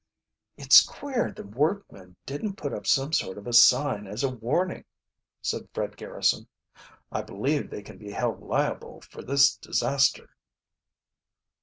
"It's queer the workmen didn't put up some sort of a sign as a warning," said Fred Garrison. "I believe they can be held liable for this disaster."